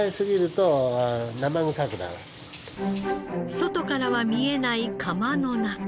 外からは見えない釜の中。